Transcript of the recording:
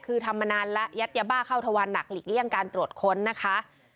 คือทำมานานแล้วยัดยาบ้าเข้าทวันหนักหลีกเลี่ยงการตรวจค้นนะคะ